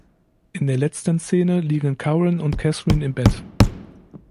In der letzten Szene liegen Curran und Catherine im Bett.